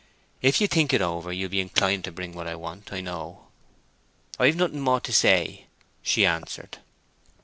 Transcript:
If you think it over you'll be inclined to bring what I want, I know." "I've nothing more to say," she answered.